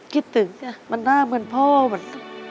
คิดถึงมันน่าเหมือนพ่อมัน